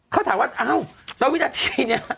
เขาถามว่าอ้าวแล้ววินาทีเนี่ย